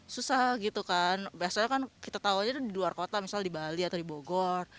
susah gitu kan biasanya kan kita tahu aja di luar kota misalnya di bali atau di bogor